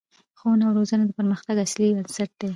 ښوونه او روزنه د پرمختګ اصلي بنسټ دی